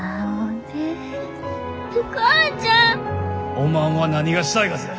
おまんは何がしたいがぜ？